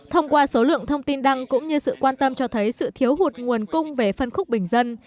thông qua số lượng thông tin đăng cũng như sự quan tâm cho thấy sự thiếu hụt nguồn cung về phân khúc bình dân